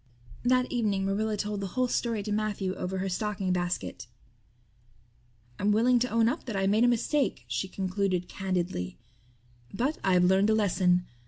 That evening Marilla told the whole story to Matthew over her stocking basket. "I'm willing to own up that I made a mistake," she concluded candidly, "but I've learned a lesson.